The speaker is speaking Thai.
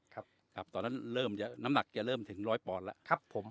ครับครับตอนนั้นเริ่มน้ำหนักจะเริ่มถึงร้อยปอนด์แล้วครับผม